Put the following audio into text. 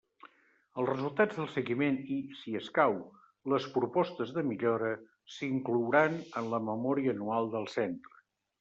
Els resultats del seguiment i, si escau, les propostes de millora, s'inclouran en la memòria anual del centre.